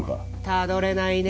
たどれないね